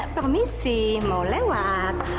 permisi mau lewat